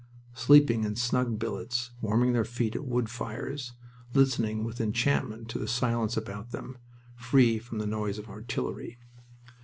Sleeping in snug billets, warming their feet at wood fires, listening with enchantment to the silence about them, free from the noise of artillery.